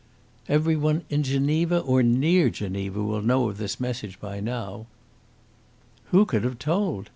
"Every one in Geneva or near Geneva will know of this message by now." "Who could have told?"